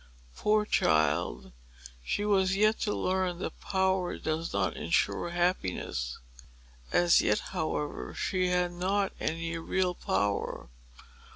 Poor child! she was yet to learn that power does not insure happiness. As yet, however, she had not any real power.